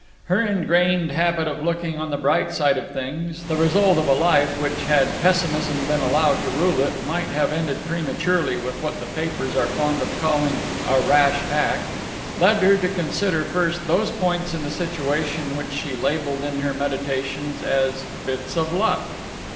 Her ingrained habit of looking on the bright side of things, the result of a life which, had pessimism been allowed to rule it, might have ended prematurely with what the papers are fond of calling a "rash act," led her to consider first those points in the situation which she labelled in her meditations as "bits of luck."